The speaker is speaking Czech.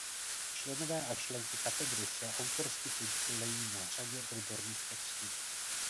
Členové a členky katedry se autorsky podílejí na řadě odborných textů.